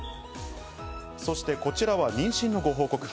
そしてこちらは妊娠のご報告。